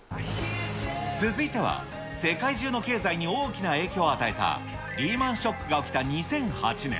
続いては、世界中の経済に大きな影響を与えたリーマンショックが起きた２００８年。